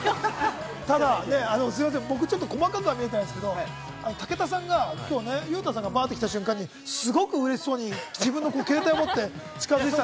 ただすみません、細かくは見えてないですけど武田さんが今日、裕太さんが来た瞬間にすごくうれしそうに自分の携帯を持って近づいていた。